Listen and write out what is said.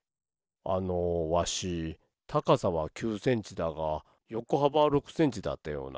あのわしたかさは９センチだがよこはばは６センチだったような。